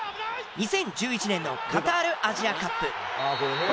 ２０１１年のカタールアジアカップ。